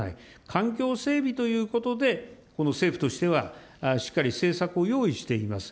環境整備ということで、この政府としては、しっかり政策を用意しています。